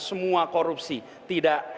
semua korupsi tidak